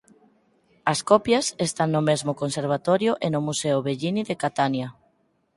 As copias están no mesmo conservatorio e no Museo Bellini de Catania.